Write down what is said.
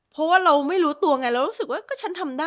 เพราะว่าเราไม่รู้ตัวไงเรารู้สึกว่าก็ฉันทำได้